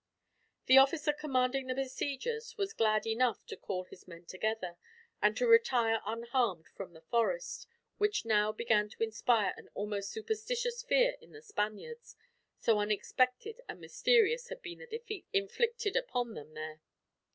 The officer commanding the besiegers was glad enough to call his men together, and to retire unharmed from the forest; which now began to inspire an almost superstitious fear in the Spaniards, so unexpected and mysterious had been the defeats inflicted upon them there.